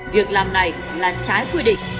việc làm này là chi tiết